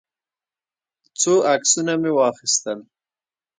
څو عکسونه مې واخیستل.